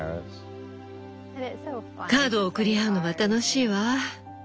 カードを送り合うのは楽しいわ。